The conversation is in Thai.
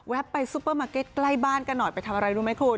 ไปซุปเปอร์มาร์เก็ตใกล้บ้านกันหน่อยไปทำอะไรรู้ไหมคุณ